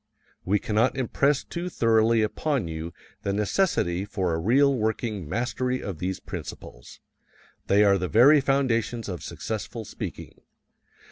We cannot impress too thoroughly upon you the necessity for a real working mastery of these principles. They are the very foundations of successful speaking.